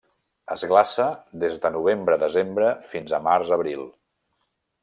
Es glaça des de novembre-desembre fins a març-abril.